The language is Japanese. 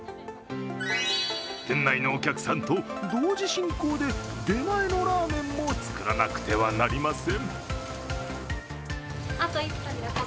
店内のお客さんと同時進行で出前のラーメンも作らなくてはなりません。